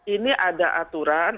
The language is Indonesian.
ini ada aturan